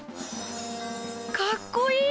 かっこいい！